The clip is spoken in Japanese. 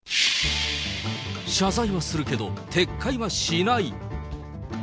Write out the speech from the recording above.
謝罪はするけど、撤回はしない。